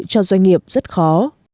cho doanh nghiệp rất khó